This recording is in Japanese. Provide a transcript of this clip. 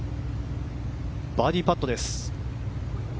バーディーパットです。